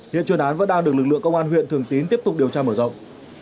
hiện chuyên án vẫn đang được lực lượng công an huyện thường tín tiếp tục điều tra mở rộng